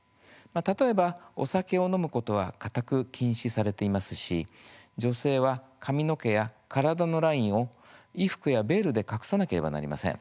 例えば、お酒を飲むことは固く禁止されていますし女性は髪の毛や体のラインを衣服やベールで隠さなければなりません。